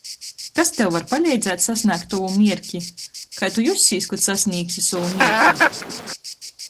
Kas tev var paleidzēt sasnēgt tovu mierki? Kai tu jussīs, kod sasnīgsi sovu mierki?